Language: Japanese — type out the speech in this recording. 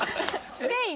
ステイン。